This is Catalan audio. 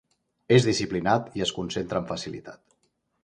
És disciplinat i es concentra amb facilitat.